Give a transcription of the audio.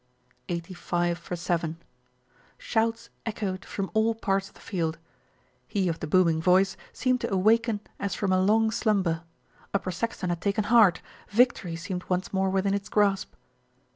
Eighty five for seven. Shouts echoed from all parts of the field. He of the booming voice seemed to awaken as from a long slum ber. Upper Saxton had taken heart, victory seemed once more within its grasp.